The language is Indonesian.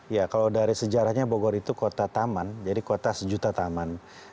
ya kalau dari sejarahnya bogor itu kota taman jadi kota sejuta taman